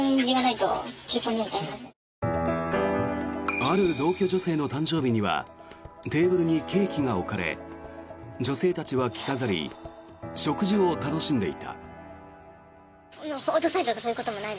ある同居女性の誕生日にはテーブルにケーキが置かれ女性たちは着飾り食事を楽しんでいた。